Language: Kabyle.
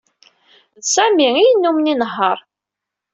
D Sami i yennummen inehheṛ.